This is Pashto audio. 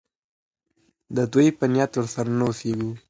د دوى په نيت ورسره نه اوسيږو